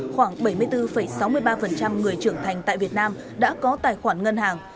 khoảng bảy mươi bốn sáu mươi ba người trưởng thành tại việt nam đã có tài khoản ngân hàng